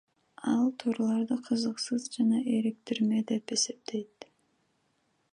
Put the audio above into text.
Ал турларды кызыксыз жана эриктирме деп эсептейт.